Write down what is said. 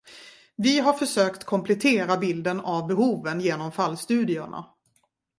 Vi har försökt komplettera bilden av behoven genom fallstudierna.